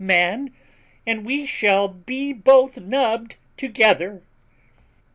] man, and we shall be both nubbed together.